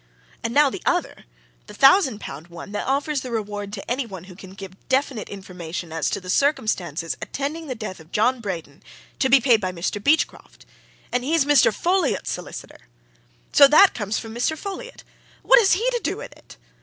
And now the other, the thousand pound one, that offers the reward to any one who can give definite information as to the circumstances attending the death of John Braden to be paid by Mr. Beachcroft. And he's Mr. Folliot's solicitor! So that comes from Mr. Folliot. What has he to do with it?